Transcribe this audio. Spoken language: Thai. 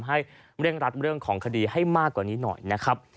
ให้เร่งรัดเรื่องของคดีให้มากกว่านี้หน่อยนะครับ